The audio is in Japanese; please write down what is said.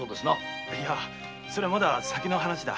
それはまだ先の話だ。